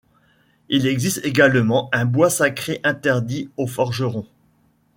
Il existe également un bois sacré interdit aux forgerons.